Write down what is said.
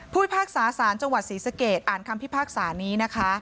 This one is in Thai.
ผู้พิพากษาสารจังหวัดศรีศักยศอ่านคำพิพากษานี้